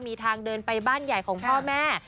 มีทางเดินไปบ้านใหญ่ของพ่อแม่